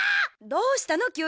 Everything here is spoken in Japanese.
どうしたの？